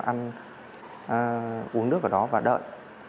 ăn uống nước ở đó và đợi